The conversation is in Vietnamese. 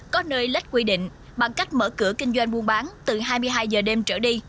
có nơi lết quy định bằng cách mở cửa kinh doanh buôn bán từ hai mươi hai h đêm trở đi